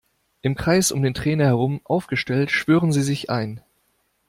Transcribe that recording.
Im Kreis um den Trainer herum aufgestellt schwören sie sich ein.